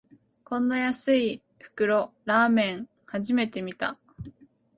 こんな安い袋ラーメン、初めて見た